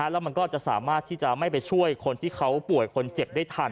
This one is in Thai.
แล้วมันก็จะสามารถที่จะไม่ไปช่วยคนที่เขาป่วยคนเจ็บได้ทัน